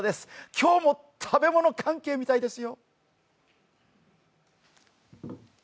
今日も食べ物関係みたいですよ。